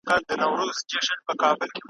پر کوثرونو به سردار نبي پیالې ورکوي ,